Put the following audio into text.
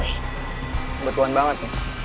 kebetulan banget nih